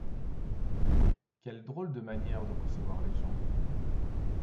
Quelle drôle de manière de recevoir les gens !